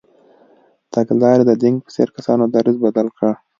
تګلارې د دینګ په څېر کسانو دریځ بدل کړ.